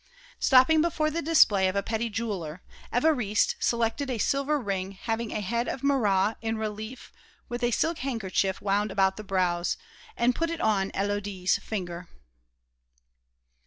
Stopping before the display of a petty jeweller, Évariste selected a silver ring having a head of Marat in relief with a silk handkerchief wound about the brows, and put it on Élodie's finger.